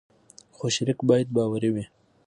خو شریک باید باوري وي.